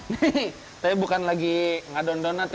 nih saya bukan lagi mengadun donat ya